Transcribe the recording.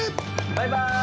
バイバーイ！